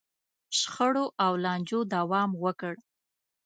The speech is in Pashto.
شخړو او لانجو دوام وکړ.